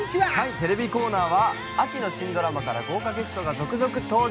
テレビコーナーは秋の新ドラマからゲストが続々登場。